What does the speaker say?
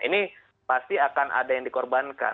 ini pasti akan ada yang dikorbankan